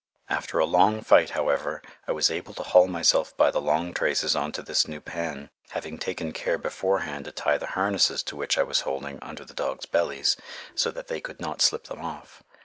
After a long fight, however, I was able to haul myself by the long traces on to this new pan, having taken care beforehand to tie the harnesses to which I was holding under the dogs' bellies, so that they could not slip them off.